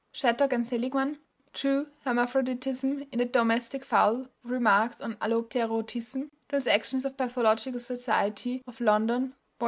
Shattock and Seligmann ("True Hermaphroditism in the Domestic Fowl, with Remarks on Allopterotism," Transactions of Pathological Society of London, vol.